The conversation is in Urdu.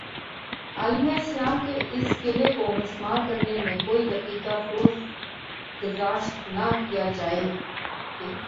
عالم اسلام کے اس قلعے کو مسمار کرنے میں کوئی دقیقہ فروگزاشت نہ کیا جائے